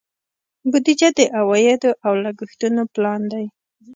بودیجه د عوایدو او لګښتونو پلان دی.